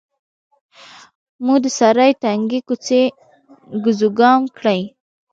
مو د سرای تنګې کوڅې ګزوګام کړې.